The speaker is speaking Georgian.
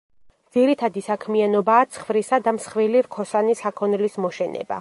ძირითადი საქმიანობაა ცხვრისა და მსხვილი რქოსანი საქონლის მოშენება.